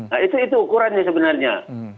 nah itu ukurannya sebenarnya